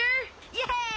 イエーイ！